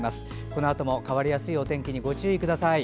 このあとも変わりやすいお天気にご注意ください。